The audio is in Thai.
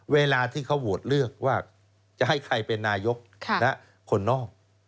เวลาที่เขาโหวตเลือกว่าจะให้ใครเป็นนายกและคนนอก